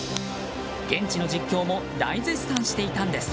現地の実況も大絶賛していたんです。